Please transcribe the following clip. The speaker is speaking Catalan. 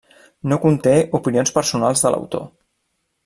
No conté opinions personals de l'autor.